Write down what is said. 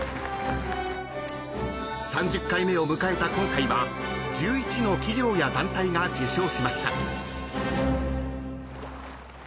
［３０回目を迎えた今回は１１の企業や団体が受賞しました］